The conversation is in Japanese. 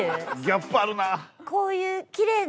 ギャップあるなあ。